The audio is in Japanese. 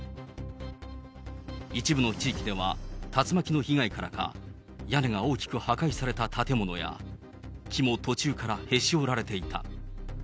一部の地域では竜巻の被害からか、屋根が大きく破壊された建物や、木も途中からへし折られていた。